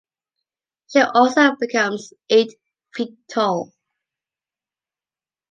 She also becomes eight feet tall.